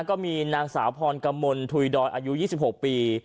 ก็มีนางสาวพรกมลถุยดอยอายุ๒๖ปี